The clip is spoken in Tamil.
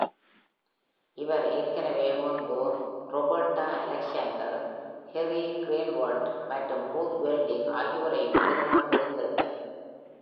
இவர் ஏற்கனவே முன்பு ராபர்ட்டா அலெக்சாண்டர், ஷெரி கிரீன்வால்ட் மற்றும் ரூத் வெல்டிங் ஆகியோரையும் திருமணம் புரிந்திருந்தார்.